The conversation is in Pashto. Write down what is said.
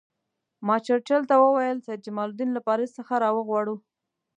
ما چرچل ته وویل سید جمال الدین له پاریس څخه را وغواړو.